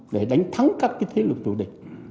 để đánh thắng các cái thế lực tù địch